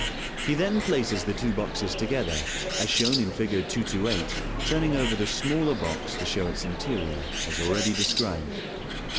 He then places the two boxes together, as shown in Fig. 228 turning over the smaller box to show its interior, as already described.